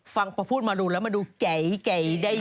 ฟังพอพูดมารูนแล้วมาดูเก๋